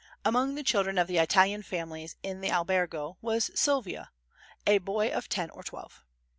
Among the children of the Italian families in the albergo was Silvio, a boy of ten or twelve.